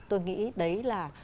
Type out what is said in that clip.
tôi nghĩ đấy là